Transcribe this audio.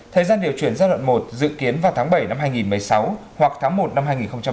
thời gian điều chuyển giai đoạn một dự kiến vào tháng bảy năm hai nghìn một mươi sáu hoặc tháng một năm hai nghìn hai mươi